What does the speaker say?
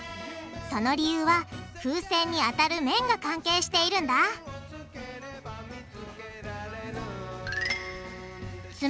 その理由は風船に当たる面が関係しているんだつ